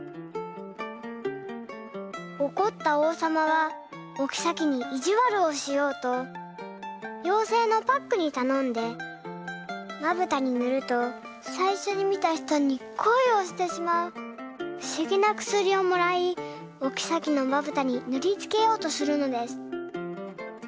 おこったおうさまはおきさきにいじわるをしようとようせいのパックにたのんで「まぶたにぬるとさいしょに見た人に恋をしてしまうふしぎなくすり」をもらいおきさきのまぶたにぬりつけようとするのです。